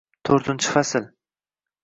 To’rtinchi fasl